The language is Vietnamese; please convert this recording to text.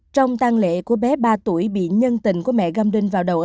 trong tăng lệ của bé ba tuổi bị nhân tình của mẹ găm đinh vào đầu ở hà nội